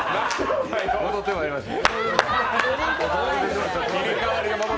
戻ってまいりました。